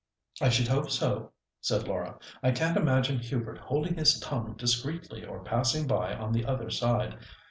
"I should hope so," said Laura. "I can't imagine Hubert holding his tongue discreetly or passing by on the other side.